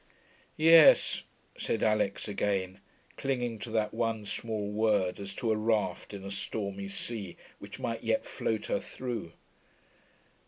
'Yes,' said Alix again, clinging to that one small word as to a raft in a stormy sea, which might yet float her through.